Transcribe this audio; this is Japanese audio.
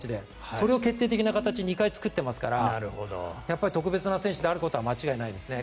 それを決定的な形２回作っていますから特別な選手であることは間違いないですね。